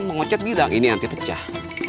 bang ocad bilang ini anti pecah